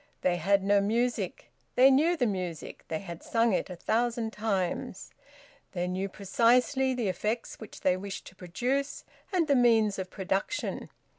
They had no music. They knew the music; they had sung it a thousand times. They knew precisely the effects which they wished to produce, and the means of production.